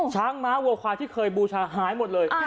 ม้าวัวควายที่เคยบูชาหายหมดเลย